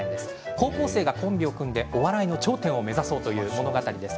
高校生がコンビを組んでお笑いの頂点を目指す物語です。